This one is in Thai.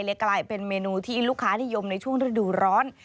และกลายเป็นเมนูที่ลูกค้านิยมในช่วงฤดูร้อน